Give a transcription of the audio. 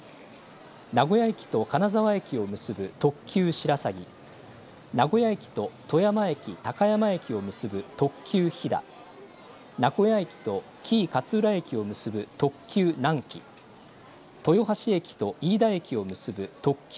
名古屋駅と金沢駅を結ぶ特急しらさぎ、名古屋駅と富山駅、高山駅を結ぶ特急ひだ、名古屋駅と紀伊勝浦駅を結ぶ特急南紀、豊橋駅と飯田駅を結ぶ特急